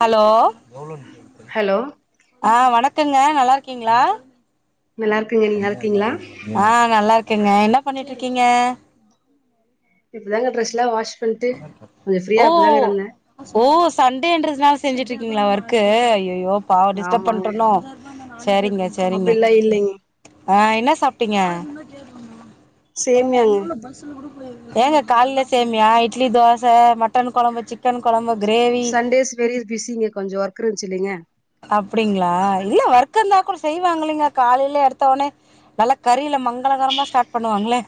hello hello ஆ வணக்கங்க நல்லாருக்கிங்ளா எல்லார் ஆ நல்லாருக்கங்க என்ன பண்ணிட்ருக்கிங்க இப்பதாங்க ட்ரெஸ்லா வாஷ் பண்ட்டு கொஞ்சோ ஃப்ரீயா ஓ இப்பதாங்க இருந்தே ஓ சன்டேன்றதுனால செஞ்சுட்ருக்கீங்களா ஒர்க்கு ஐய்யய்யோ பாவொ டிஸ்டப் ஆமாங்க பண்டனோ சரிங்க சரிங்க அப்டில்லா இல்லைங்க ஆ இன்னா சாப்ட்டீங்க சேமியாங்க ஏங்க காலில சேமியா இட்லி தோச மட்டன் கொழம்பு சிக் க்கன் கொழம்பு க்ரேவி பெரிய பிசிங்க கொஞ்சொ ஒர்க் இருன்ச்சு இல்லிங்க அப்டிங்களா இல்ல ஒர்க் இருந்தா கூட செய்வாங் இலிங்க காலைல எடுத்தொனே நல்லா கறில மங்களகரமா ஸ்டார்ட் பண்ணுவாங்ளே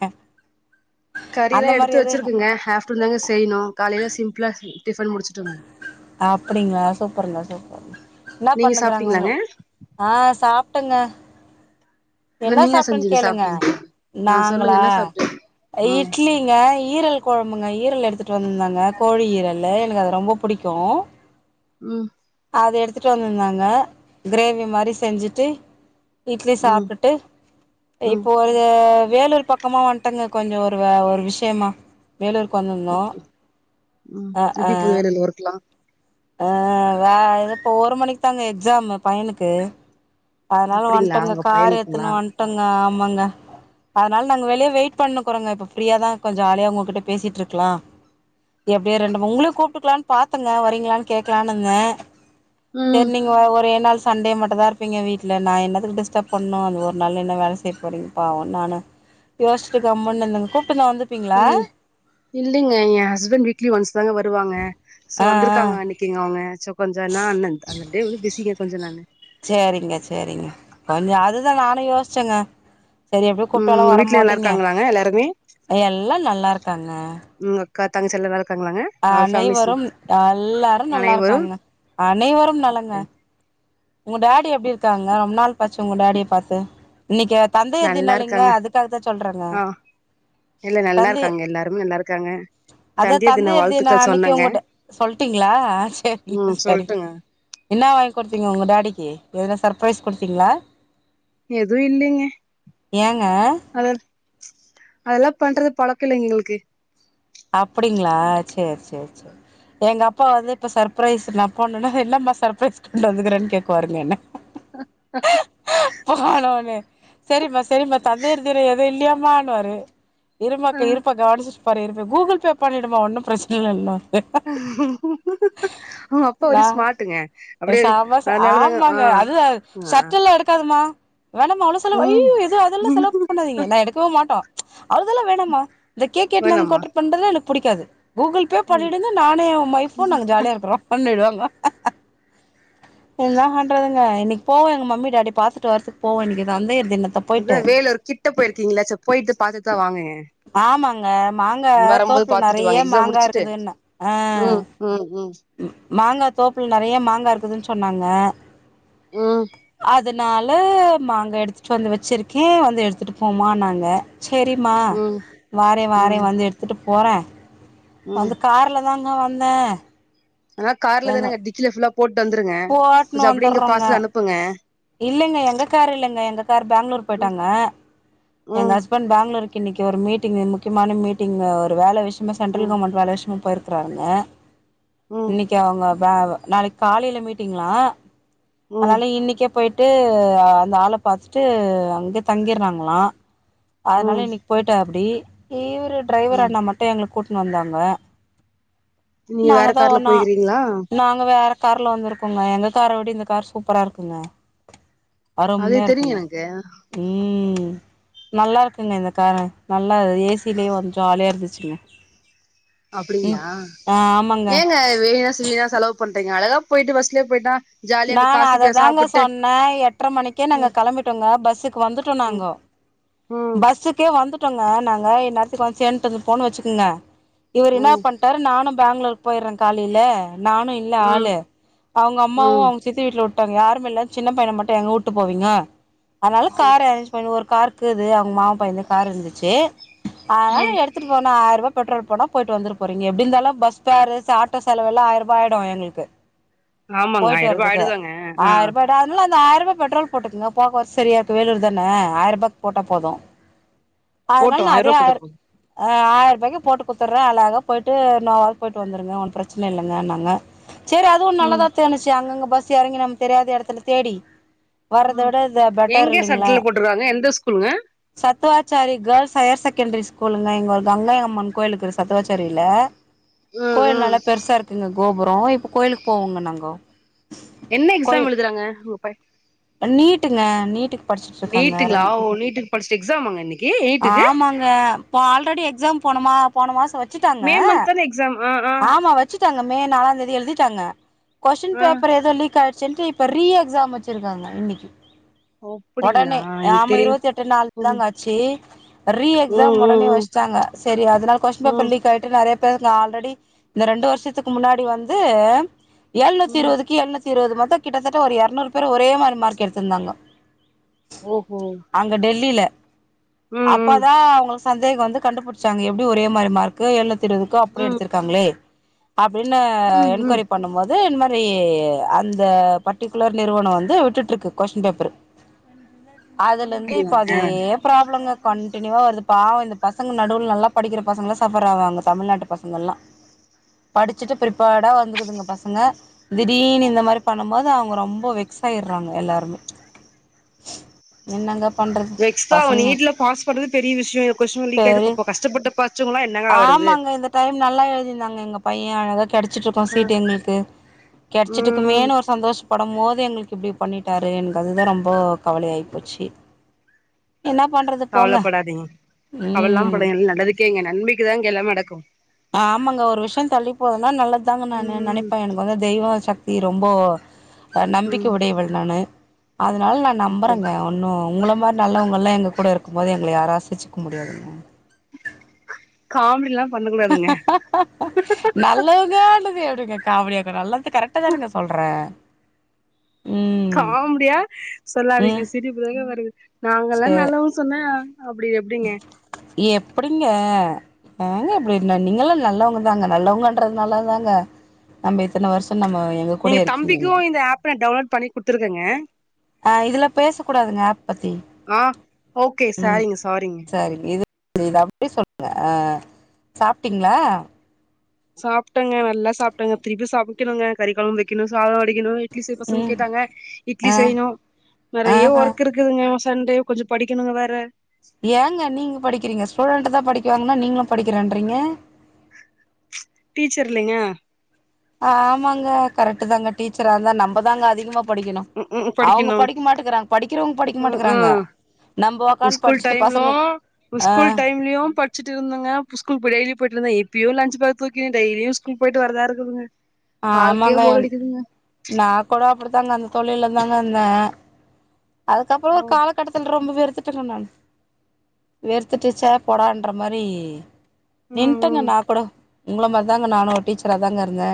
கறிதா எடுத்து வெச்சிருக்கங்க ஆஃப்டர்நூன் தாங்க செய்ணு காலைல சிம்பிளா டிஃபன் முடிச்சுட்டோங்க அ அப்டிங்ளா சூப்பருங்க சூப்பருங்க ன்னா நீங்க பண்ணுகுறாங்க அவ்ங்கோ சாப்ட்டீங்களாங்க ஆ சாப்டங்க இல்ல என்ன நீங்க சாப்பிட்டன் செஞ்சீங்க கேளுங்க சாப்ட்டீங்க ஆ சொல்லுங்க நாங்களா என்ன சாப்ட்டீங்க அ ம் இட்லி இங்க ஈரல் கொழம்புங்க ஈரல் எடுத்துட்டு வந்திருந்தங்க கோழி ஈரல் எனக்கு அ ரொம்ப புடிக்கு ம் அது எடுத்துட்டு வந்துருந்தாங்க க்ரேவி மாரி செஞ்சுட்டு இட்லி ம் சாப்டுட்டு ம் இப்போ ஒரு ஏ வேலூர் பக்கமா வன்டங்க கொஞ்சொ ஒரு வே ஒரு விஷியமா வேலூர்க்கு வந்திருந்தோ அப்டி அ ஆ இதுவு இருக்லா ஆ வ இது இப்போ ஒரு மணிக் தாங்க எக்ஸாம் பையனுக்கு அதனால அப்டிங்களா வன்ட்டோங்க உங்க கார் பையனுக்குங்களா எத்துனு வன்ட்டோங்க ஆமாங்க அதனால நாங்க வெளிய வெயிட் பண்ணுக்குறோங்க இப்ப ஃப்ரீயாதா கொஞ் ஜாலியா உங்ககிட்ட பேசிட்டுருக்லா எப்டியு ரெண்டு ம உங்களயு கூப்ட்டுக்கலான் பாத்தெங்க வரீங்களான் கேக்லான் இந்த ம் செரி நீங்க ஒ ஒரே நாள் சன்டே மட்டுதா இருப் ப்பிங்க வீட்ல நா என்னத்துக்கு டிஸ்டர்ப் பண்ணு அந்த ஒரு நாள் என்ன வேலை செய்ய போறீங்க பாவொன் நானு யோஸ்ட்டு கம்முன் இந்தங்க கூப்ட்டுந்தா வந்திப் இல் இல்லிங்க எ ஹஸ்பண்ட் வீக்லி ஒன்ஸ் தாங்க வருவாங்க சோ ஆ வந்திருக்காங்க ஆ அன் சி அவங்க சோ கொஞ்சோ நா அண்ண அந்த டே பிசிங்க கொஞ்சோ நாணு சரிங்க சரிங்க கொஞ்சோ அதுதா நானு யோசிச்சேங்க சரி எப்டி ம் குப்டாலு உங்க வீட்ல நல்லா வரமாட்டீங்க இருக்காங்களாங்க எல்லாருமே எல்லா நல்லாருக்காங்க உம் அக்கா, தங்கச்சி எல்லா நல்லாருக்காங்களாங்க அனைவரும் எல்லாரும் நல்லா அனைவரும் இருக்காங்க அனைவரும் நலொங்க உங்க டாடி எப்படிருக்காங்க ரொம்ப நாள் பாச்சு உங்க டாடிய பாத்து இன்னைக்கு தந்தையர் நல்லா தினோலிங்க இருக்காங்க அதுக்காக தா சொல்றங்க ஆ இல்ல நல்லாருக்காங்க எல்லாருமே நல்லாருக்காங்க அதா தந்தையர் தினோ அன்னைக்கு உங்கட்ட சொல்ட்டீங்களா சரி ம் சரி சொல்ட்டுங்க என்ன வாங்கி கொடுத்தீங்க உங்க டாடிக்கு எதனா சர்பரைஸ் கொடுத்தீங்களா எதுவுல்லைங்க ஏங்க அத அதெல்லா பண்றது பழக்கோல்லைங்க எங்களுக்கு அப்படிங்களா செரி செரி செரி எங்க அப்பா வந்து இப்ப சர்ப்ரைஸ் நா போனும்னா என்னம்மா சர்ப்ரைஸ் கொண்டு வந்துக்கறேனு கேக்குவாருங்க என்ன போன உனே சரிம்மா சரிம்மா தந்தையர் தின எது இல்லையாமானுவாரு இருமா ஆ இருப்பா கவனிச்சிட்டு போறே இப்ப கூகுள் பே பண்ணிடுமா ஒன்னு பிரச்சன இல்லன்பா [inaudible] அப்பா ஒரே ஸ்மார்ட்டுங்க ல அப்டியே செம அதனாலதாங்க ஆ ஆமாங்க அதுதான் ஆ ஷர்ட்ல்லாம் எடுக்காதமா வேணம்மா அவ்ளோவு செலவு ம் அய்யோ இது அதுல்ல செலவு பண்ணாதீங்க நா எடுக்கவு மாட்டோம் அவல்தெல்லாம் வேணாமா இந்த கேக் எத்னு வந்து வேணாமா கோட்ர் பண்றதெலா எனக் புடிக்காது கூகுள் பே ம் பண்ணிடுங்க நானு என் வைஃப் நாங்க ஜாலியா இருக்றோம் பண்ணிடுங் என்னா பண்றதுங்க இன்னிக் போவோ எங்க மம்மி டாடி பாத்துட்டு வரத்துக்கு போவோ இன்னிக்கு தந்தையர் தினத்த போயிட்டு அதான் வேலூர் கிட்ட போயிருக்கீங்களா சர் போயிட்டு பாத்துட் தான் வாங்கங்க ஆமாங்க மாங்கா வரும்போது தோப்புல பாத்துட்டு வாங்க நெறைய எக்ஸாம் மாங்காய் முடிச்சுட்டு இருக்குதுன்ன ஆ ம் ம் மாங்கா தோப்ல நெறைய மாங்கா இருக்குதுன்னு சொன்னாங்க ம் அதனால மாங்க எடுத்துட்டு வந்து வச்சுருக்கே வந்து எடுத்துட்டு போமான்னாங்க செரிம்மா ம் வாரேன் ம் வாரேன் வந்து எடுத்துட்டு போறேன் ம் வந்து கார்ல தாங்க வந்தேன் ஆனா கார்ல தானங்க டிக்கில ஃபுல்லா போட்டு வந்துருங்க கொஞ்சம் அப்டியே இங்க பார்சல் அனுப்புங்க இல்லங்க எங்க கார் இல்லங்க எங்க கார் பெங்களூர் ம் போயிட்டாங்க எங்க ம் ஹஸ்பண்ட் பெங்களூருக்கு இன்னிக்கு ஒரு மீட்டிங் முக்கியமான மீட்டிங் ஒரு வேல விஷ் சென்ட்ரல் ம் கவர்மெண்ட் வேல விஷயமா போயிருக்றாருங்க ம் இன்னிக்கு அவுங்க வெ நாளைக்கு காலையில மீட்டிங்லா ம் அதனால இன்னிக்கே போயிட் ட்டு அந்த ஆள பாத்துட்டு அங்கே தங்கிறாங்களா அதனால ம் இன்னைக்கு போய்ட்டே அப்டி இவுரு ஒடிரைவர் ம் அண்ணா ம ட்டு எங்கள கூட்னு வந்தாங்க நீங்க வேற நாங்க தான் கார்ல வர்னு போய்க்கிறீங்களா நாங்க வேற கார்ல வந்துருக்குங்க எங்க கார விட இந்த கார் சூப்பரா இருக்குங்க அது அறுமைய தெரியு இருக்குங் எனக்கு ம் நல்லா இருக்குங்க இந்த காரு நல்லா ஏசிலே வந்து ஜாலியா இருந்துச்சுங்க ம் அப்டிங்களா ஆ ஆமாங்க ஏங்க வீணாஸ் வீணா செலவு பண்றீங்க அழகா போயிட்டு பஸ்லே போயிட்டா ஜாலியா அந்த நான் அத காசுக்கு தாங்க சாப்பிட்டு சொன்னே எட்ர மணிக்கே நாங்க ம் கெளம்பிட்டோங்க பஸ்சுக்கு வந்துட்டோம் ம் நாங்க ம் பஸ்சுக்கே வந்துட்டோங்க நாங்க இன் நேரத்துக்கு வந் சேன்ட்டு வந்து போன வச்சுக்கங்க இவர் இன்னா ம் பண்டாரு நானு பேங்களூரு போயிறே காலில நானு இல்ல ம் ஆளு அவங்க அம்மாவு ம் அவ சித்தி வீட்ல வுட்டாங்க யாருமில்ல சின்ன பையன மட்டு எங்க வுட்டு போவீங்க அதனால ம் கார் அரேஞ் ஒரு காருக்கிது அவங் மாமா பையந்து கார் இருந்துச்சு அதனால ம் எடுத் துட்டு போனா ஆயிரரூபா பெட்ரோல் போட்டா போயிட்டு வந்துற போறீங்க எப்டிர்ந்தாலு பஸ் பேரு ஆட்டோ செலவெவ்லா ஆயிர்ரூபா ஆயிடு எங்களுக்கு ஆமாங்க போயிட்டு ஆயிரம் ரூபாய் வர்துக்கு ஆயிடுதாங்க ஆ ஆயிரூபா அதனால அந்த ஆயிரூபா பெட்ரோல் போட்டுக்கங்க போக வரத் சரிய இருக்கு வேலூர் தான ஆயிரூபா போட்ட போது அதனால போட்டோம் நா ஆயிரம் அதே ரூபா போட்டோ ஆயிர் போது அ ஆயிர்ருபாக்கு போட்டு குத்துறே அழகா போயிட்டு நோவாமா போயிட்டு வந்துடுங்க ஒன்னு பிரச்சின இல்லங்க நாங்க சரி அதுவு ம் நல்லதா தேனுச்சு அங்கங்க பஸ் எறங்கி நம்ம தெரியாத எடத்துல தேடி வர்றத விட இத பெட்டர் இல்லிங்களா றாங்க எந்த ஸ்கூல்ங்க சத்துவாச்சாரி கேர்ள்ஸ் ஹையர் செகண்டரி ஸ்கூலுங்க எங்க ஒரு கங்கை அம்மன் கோயிலுக்கு சத்துவாச்சாரில ம் கோயில் ம் நல்லா பெருசா இருக்குங்க கோபுரோ இப்ப கோயில்க்கு போவோங்க நாங்கோ என்ன எக்ஸாம் கோயில் எழுதுறாங்க உங்க பை நீட்டுங்க நீட்டுக்கு படிச்சுட்ருக்காங்க நீட்டுங்களா ஓ நீட்டுக்கு படிச்சுட்டு எக்ஸாமாங்க இன்னைக்கு நீட்டுக்கு ஆமாங் க ஆல்ரெடி எக்ஸாம் போனமா போன மாச வச்ட்டாங்க மே மந்த் தானே எக்ஸாம் ஆ ஆ ஆமா வச் சுட்டாங்க மே நாலாந் தேதி எழுதிட்டாங்க கொஸ்டின் ஆ பேப்பர் ஏதோ லீக் ஆயிடு ச்சுன்ட்டு இப்ப ரீ எக்ஸாம் வச்சிருக்காங்க இன்னிக்கு அப்படிங்களா உடனே எனக்கு ஆமா தெரியும் இருபத்தி எட்டு நால் தா ம் காட் சே ரீ ம் எக்ஸாம் உடனே ம் வச்டாங்கங்க சரி அதனால கொஸ்டின் ம் பேப்பர் ம் லீக் ஆயி ட்டு நெறைய பேருக்கு ஆல்ரெடி இந்த ரெண்டு வருஷத்துக்கு முன்னாடி வந்து எழுநூத்தி ம் இருவதுக்கு எழுநூத்தி இருவது மொத்த கிட்டத்தட்ட ஒரு எருநூறு பேர் ஒரே மாரி மார்க் எடுத்திருந்தாங்க ஓஹோ அங்க டெல்லில ம் ம் அப்பதா அவங்களுக்கு சந்தேக வந்து கண்டுபுடிச்சாங்க எப்படி ஒரே மாரி மார்க க்கு எண்ணுத்தி இருவத்துக்கு அப்படி ம் எடுத்திருக்காங்களே அப்படின்னு ம் ம் என்கவரி பண்ணும்போது இந்த மாரி அந்த பர்ட்டிகுலர் நிறுவன வந்து விட்டுட்ருக்கு கொஸ்டின் பேப்பரு அதுலருந்து இப்ப அப்டிங்களாங்க அதே ப்ராப்ளம்ங்க கண்டினியுவா வருது பாவ இந்த பசங்க நடுவு நல்லா படிக்கிற பசங்க சபர் ஆவாங்க தமிழ்நாட்டு பசங்க எல்லா படிச்சுட்டு பிப்பேர்டா வந்துக்குதுங்க பசங்க திடீர்னு இந்த மாரி பண்ணும்போது அவங்க ரொம்ப வெக்சாயிரு றாங்க எல்லாருமே என்னங்க பண்றது வெக்ஸ்ஹா பசங்க நீட்ல பாஸ் பண்றது பெரிய விஷய கொஸ்டின் லீக் ஆயிட்டு இப்போ பெரிய பா கஷ்டப்பட்டப்பா ஆமாங்க இந்த டைம் நல்லா எழுதிருந்தாங்க எங்க பைய அழகா கெடச்சிட்ருக்கூ அ சீட்டு எங்களுக்கு கெடச்சிட்டுக்கு ம் மேன்னு ஒரு சந்தோஷ படம் போது எங்களுக்கு இப்படி பண்ணிட்டாரு எனங்கது தா ரொம்ப கவல ஆகி போச்சு என்னா பண்றது போங்க கவலபடாதீங்க கவலலா ம் பட எல்லா நல்லதுக்கே இங்க நன்மைக்குதா இங்க எல்லா நடக்கு ஆ ஆமங்க ஒரு விஷய தள்ளி போதுன்னா நல்லது தாங்க நானு ம் நெனைப்பே எனக்கு வந்து தெய்வ சக்தி ரொம்போ அ ம் நம்பிக்கை உடையவள் நானு அதனால நா அப்டி நம்புறங்க அவ ஒன்னு உங்கள மாரி நல்லவங்க எல்லா எங்க கூட இருக்கும் போது எங்கள யாரு அசைச்சுக்க முடியாதுங்க காமெடில்லா பண்ண கூடாதுங்க நல்லவங்க ஆண்டுது எப்பங்க காவெடியாக்க நல்லது த்து கரெக்டா தானங்க சொல்ற காமடியா சொல்லாதீங்க ம் சிரிப்புதாங்க வருது நாங்கெல்லா நல்லவங் கனு சொன்னா அப்டி எப்டிங்க எப்டிங்க ஏங்க இப்டி இருன நீங்க எல்லா நல்லவங்க தாங்க நல்லவங்கன்றதுனால தாங்க நம்ம இத்தன வருஷோ நம்ம எங்க கூட நீங்க இருக்கீங்க நீங்க தம்பிக்கும் இந்த ஆப்ப டவுன்லோட் பண்ணி குடுத்துருக்கங்க ஆ இதுல பேச கூடாதுங்க ஆப் பத்தி ஆ ஓகே சேரிங்க சாரிங்க சரிங்க இதுப் இத அப்டியே சொல்ற சாப்பிட்டீங்ளா சாப்டேங்க நல்லா சாப்டேங்க திருப்பி சமைக்குணுங்க கறிக்கொழம்பு வைக்குணு சாதோ வடிக்குணு இட்லி செய் பசங்க ம் கேட்டாங்க இட்லி ஆ செய்யணு நெறைய ஆஹா ஒர்க் இருக் குதுங்க சண்டே கொஞ்சோ படிக்குணுங்க வேற ஏங்க நீங்க படிக்கிறீங்க ஸ்டூடண்ட் தா படிக்குவோங்குன்னா நீங்களு படிக்கிறேன்றீங்க டீச்சர் இல்லிங்க ஆமாங்க கரெக்ட் தாங்க டீச்சரா இருந்தா நம்ம தாங்க அதிகமா படிக்குணு ம் ம் அவுங்க படிக்கணு படிக் மாட்டுக்குறாங்க படிக்கிறவங் படிக்க ம் மாட்டுக்குறாங்க ம் நம்ப உக்காந்து ஸ்கூல் படிச்சுட்டு டைம்லு பசங்களுக் அ ஸ்கூல் டைம்லயு படிச்சுட்டு இருந்தங்க ஸ்கூல் டெ்லியு போய்ட்டு இருந்த எப்பியோ லஞ்ச் பேக் தூக்கிண்டு டெய்லியு ஸ்கூல் போயிட்டு வரதா இருக்குதுங்க வாழ்க்கையே ஆமாங்க போர் அடிக்குதுங்க நா கூட அப்டித்தாங்க அந்த தொழில்ல தா இருந்த அதுக்கப்றோ ஒரு ம் காலத் ஒரு கட்டத்துல ரொம்ப வெறுத்துட்டுக்கே நானு வெறுத்துட்டுச் சே போடான்ற மாரி ம் நின்ட்டேங்க ம் நா கூட உங்களமாரி தாங்க நானு டீச்சரா தாங்க இருந்த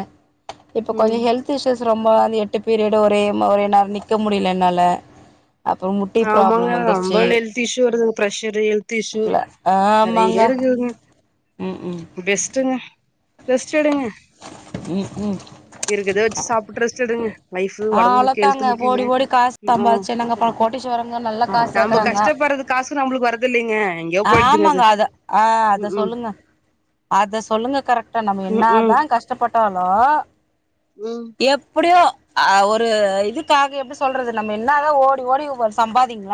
இப்ப கொஞ்சோ ம் ஹெல்த் இஸுயூஸ் ரொம்ப அந்த எட்டு பீரியடு ஒரே ஒரே நேரோ நிக்க முடியில என்னால அப்புறோ முட்டி ஆமாங்க ப்ராப்ளம் ரொம்ப வந்துருச்சு ஹல்த் இஸுயூஸ் வருதுங்க பிரெஷர் ஹெல்த் இஸுயூ க்ல நெறைய ஆமாங்க இருக்குதுங்க ம் ம் பெஸ்ட்டுங்க ரெஸ்ட் எடுங்க ம் ம்கு இருக்கத வச்சு சாப்ட்டு ரெஸ்ட் எடுங்க லைஃப் ஆ ஒடம்பு முக்கியோ அவ்ளோதாங்க ஹெல்த் முக்கியங்க ஓடி ஓடி காஸ் ம் சம்பாதிச்சு என்னங்க பாக் கோட்டீஸ்வரங்க நல்லா காஸ் நம்ப சேக்குறாங்க கஷ்டப்படுறது காசு நம்மளுக்கு வரது இல்லைங்க எங்கேயோ போயிடுதுங்க அது ஆமாங்க அத ஆ அத ம் சொல்லுங்க அத சொல்லுங்க கரெக்டா நம்ம ம் ம் என்னாதா கஷ்டப்பட்டாலு ம் எப்டியோ ஆ ஒரு இதுக்காக எப்டி சொல்றது நம்ம என்னாதா ஓடி ஓடி சம்பாதிங்ள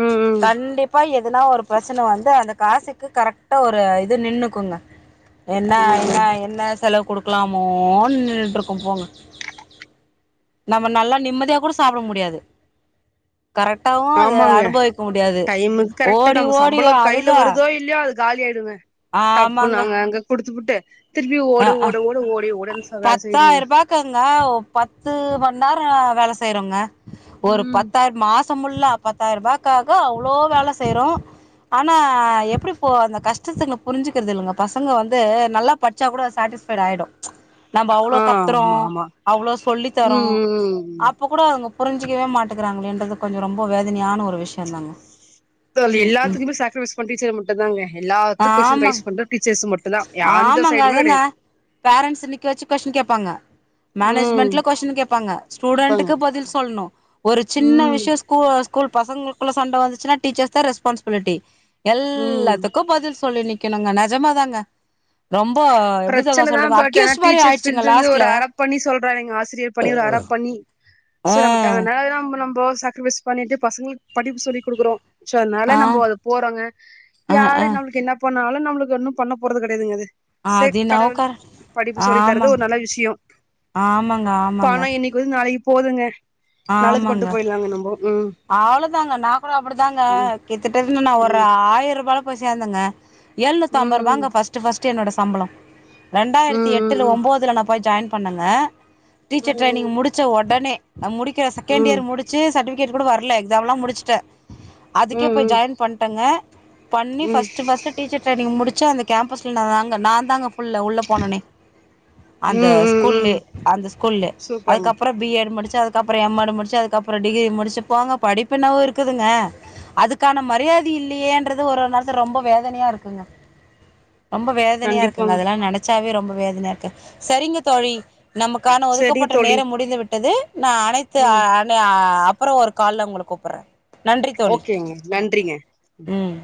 ம் ம் ம் கண்டிப்பா எதுனா ஒரு பிரச்சன வந்து அந்த காசுக்கு கரெக்டா ஒரு இது நின்னுக்குங்க என்னா ம் ம் என்னா என்ன செலவு குடுக்கலாமோ நின்னுட்ருக்கு போங்க நம்ம நல்லா நிம்மதியா கூட சாப்பிட முடியாது கரெக்டாவு அது ஆமாங்க அடு க்க முடியாது டைமுக்கு கரெக்டா ஓடி நம்ம ஓடி சம்பளோ கையில அதுதா வருதோ இல்லையோ அது காலி ஆயிடுங்க டப்புனு ஆமாங்க அங்க அங்க குடுத்துபுட்டு திருப்பி அ ஓடு அ ஓடு ஓடு ஓடி ஓடியாந்து வேல செய்னுங்க இருக்குங்க ஒரு பத்து பண்டாயிரோ வேல செய்றோங்க ஒரு ம் பத் பத்தாயிரம் மாசம்முள்ள பத்தாயிரூபாய்க்காக அவ்ளோ வேல செய்றோ ஆனா எப்டி போ அந்த கஷ்டத்துக்கு புரிஞ்சிக்கிறது இல்லிங்க நம்ம பசங்க வந்து நல்லா படிச்சா கூட சாட்டிஸ்ஃபைடு ஆயிடு நம்ம அவ்ளோ ஆ கத்துறோ ஆமா ஆமா அவ்ளோ சொல்லி தரோ ம் ம் ம் ம் அப் இப்ப கூட அவுங்க புரிஞ்சிக்கவே மாட்டங்கிறாங்கலேன்னு தா கொஞ்சோ ரொம்ப வேதனையான ஒரு விஷயோ தாங்க தோழி எல்லாத்துக்குமே சேக்ரிஃபைஸ் பத்தி டீச்சர் மட்டுதாங்க எல்லாத்துக்கு கொஸ்டின் ரைஸ் ஆமாங்க பண்ற டீச்சர்ஸ் மட் ஆமாங்க அதாங்க பேரண்ட்ஸ் நிக்க வச்சு கொஸ்டின் கேப்பாங்க ம் மேனேஜ்மெண்ட்ல கொஸ்டின் கேப்பாங்க ப்பாங்க ஸ்டூடெண்ட்டக்கு பதில் சொல்ணு ஒரு சின்ன ம் விஷ்ய கு ஸ்கூல் பசங்களுக்குள்ள சண்ட வந்துச்சுனா டீச்சர்ஸ் தா ரெஸ்பான்சிபிலிட்டி ம் எல்லாத்துக்கு பதில் சொல்லி நிக்கணுங்க நெஜமாதாங்க ரொம்போ எப்டிதாங்க பிரச்சன தா சொல்ற பட் ஆனா அக்யூஸ்ட்டு மாரி டீச்சர் ஆயிடுச்சுங்க ஃபீல்ட்ல இருந்து லாஸ்ட்ல ஒரு அரப் பண்ணி சொல்றாரு எங்க ஆசிரியர் பண்ணி ஒரு அரப் பண்ணி ஆ சோ நம்ம ட ன நம் நம்போ சாக்கரிஃபைஸ் பண்ணிட்டு பசங்களுக்கு படிப்பு சொல்லி குடுக்குறோ சோ அதனால ஆ நம்ம அது போறோங்க ஆ யாரு ஆ நம்மளுக்கு என்ன போனாலு நம்மளுக்கு ஒன்னு பண்ண போறது கெடயாதுங்க அது அது சேர் என்னவோ கடவுள் கர படிப்பு சொல்லி தரது ஆமாங் ஒரு நல்ல விஷ்யோ இ ஆமாங்க ஆமாங்க பணோ இன்னைக் கு நாளைக்கு போதுங்க நல்லது பண்ட்டு ஆமாங்க போயிடலாங்க நம்போ ம் அவ்ளோதாங்க நா கூட அப்டிதாங்க கிட்டதட்ட நா ஒரு ம் ஆய்ரரூபால சேந்தேங்க எழுநூத்தி அம்பது ரூபாங்க ம் ஃபஸ்ட்டு ஃபஸ்ட்டு என்னோட சம்பளோ ம் ரெண்டாயிரத்தி எட்டில ம் ஒம்போதில நான் போய் ஜாயின் பண்ணுங்க ம் டீச்சர் ம் ட்ரைனிங் முடிச்ச உடனே நா முடிக்கிற செகண்ட் ம் இயர் முடிச்சு சர்டிஃபிகேட் கூட வரல எக்ஸாம்ல்லா முடிச்சிட்ட ம் ம் ம் அதுக்கே போய் ம் ஜாயின் பண்ணிட்டேங்க பண்ணி ம் ஃபஸ்ட்டு ஃபஸ்ட்டு டீச்சர் ட்ரைனிங் முடிச்சு அந்த கேம்பஸ்ல நாங்க நா தாங்க ஃபுல்லா உள்ள போனனே அந்த ம் ம் ஸ்கூல்லே ம் அந்த ஸ்கூல்ல சூப்பருங்க அதுக்கப்பறோ பி எட் முடிச்சு அது கப்றோ எம்மேடு முடிச்சு அதுக்கப்பறோ டிகிரி முடிச்சு போங்க படிப்புனவு இருக்குதுங்க அதுக்கான மரியாதில்லையேன்றது ஒரு நேரத்துல ரொம்ப வேதனையா இருக்குங்க ரொம்ப வேதனையா கண்டிப்பா இருக்குங்க அதெல்லா நெனச்சாவே ரொம்ப வேதனையா இருக்கு செரிங்க தோழி நமக்கான செரிங்க ஒதுக்கப்பட்ட தோழி நேர முடிந்து விட்டது நா அனைத்து ஆ ம் இல்லயா அப்பறோ ஒரு கால்ல உங்களுக்கு கூப்புறே நன்றி தோழி ஓகேங்க நன்றிங்க ம்